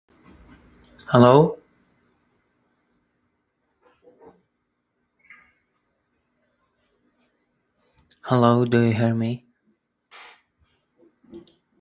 There he confronted several issues considered controversial by Yugoslav officials.